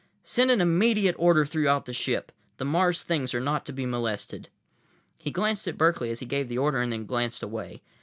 "Send an immediate order throughout the ship. The Mars things are not to be molested." He glanced at Berkeley as he gave the order, and then glanced away.